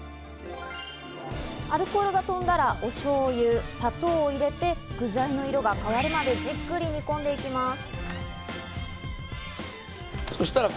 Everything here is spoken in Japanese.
アルコールが飛んだら、醤油、砂糖を入れて、具材の色が変わるまでじっくり煮込んでいきます。